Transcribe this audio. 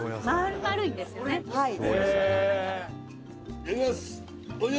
「いただきます！」